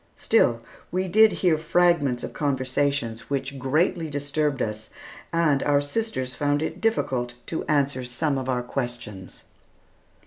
Still we did hear fragments of conversations which greatly disturbed us, and our sisters found it difficult to answer some of our questions.